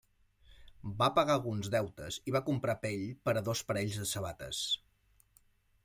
Va pagar alguns deutes i va comprar pell per a dos parells de sabates.